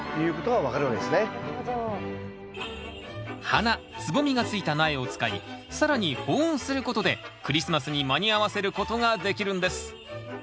花蕾がついた苗を使い更に保温することでクリスマスに間に合わせることができるんです。